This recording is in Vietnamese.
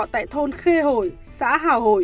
tại thôn khê hồi xã hào hồi